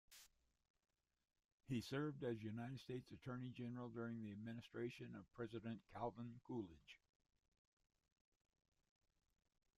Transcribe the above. He served as United States Attorney General during the administration of President Calvin Coolidge.